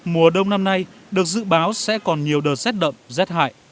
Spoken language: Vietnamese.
mùa đông năm nay được dự báo sẽ còn nhiều đợt rét đậm rét hại